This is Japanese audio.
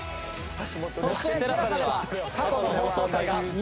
そしてＴＥＬＡＳＡでは過去の放送回が見放題です！